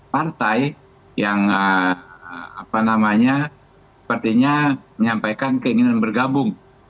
partai yang apa namanya sepertinya menyampaikan keinginan bergabung